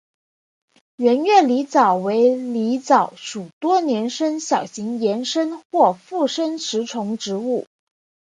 圆叶狸藻为狸藻属多年生小型岩生或附生食虫植物。